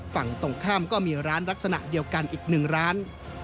ฝั่งตรงข้ามก็มีร้านลักษณะเดียวกันอีกหนึ่งร้าน